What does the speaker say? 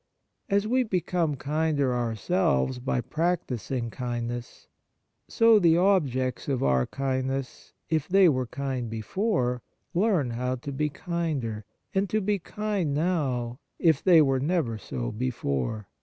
As we become kinder ourselves by practising kindness, so the objects of our kindness, if they were kind before, learn now to be kinder, and to be kind now if they were never so before.